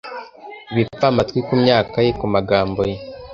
ibipfamatwi kumyaka ye kumagambo ye